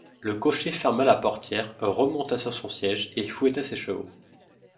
Le cocher ferma la portière, remonta sur son siège et fouetta ses chevaux.